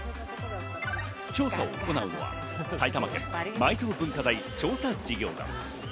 調査を行うのは埼玉県埋蔵文化財調査事業団。